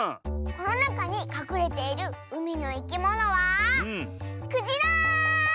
このなかにかくれているうみのいきものはクジラ！